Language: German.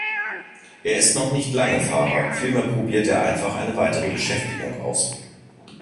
Er ist noch nicht lange Fahrer, vielmehr probiert er einfach eine weitere Beschäftigung aus.